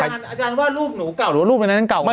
อาจารย์ว่ารูปหนูเก่าหรือว่ารูปนี้คงเก่า